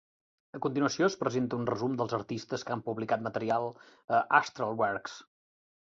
A continuació es presenta un resum dels artistes que han publicat material a Astralwerks.